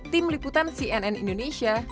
tim liputan cnn indonesia